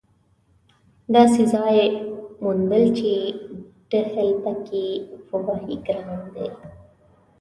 داسې ځای موندل چې ډهل پکې ووهې ګران دي.